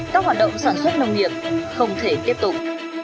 các hoạt động sản xuất nông nghiệp không thể tiếp tục